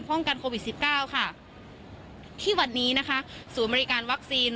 กันโควิดสิบเก้าค่ะที่วันนี้นะคะศูนย์บริการวัคซีน